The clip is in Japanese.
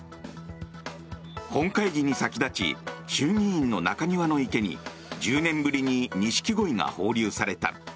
本会議に先立ち衆議院の中庭の池に１０年ぶりにニシキゴイが放流された。